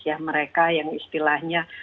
ya mereka yang istilahnya